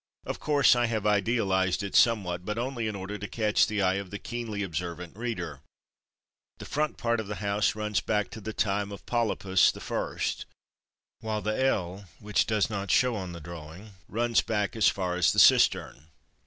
Of course I have idealized it somewhat, but only in order to catch the eye of the keenly observant reader. The front part of the house runs back to the time of Polypus the First, while the L, which does not show in the drawing, runs back as far as the cistern.